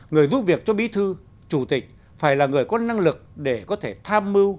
người giúp việc cho bí thư chủ tịch phải là người có năng lực để có thể tham mưu